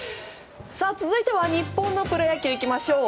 続いては日本のプロ野球いきましょう。